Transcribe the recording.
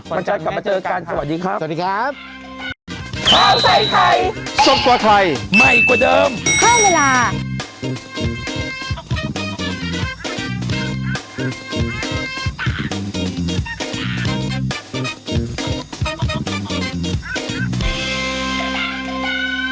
มันจะกลับมาเจอกันสวัสดีครับสวัสดีครับ